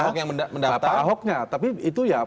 oke kalau misalnya ahok yang mendaptar